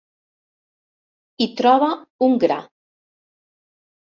Hi troba un gra.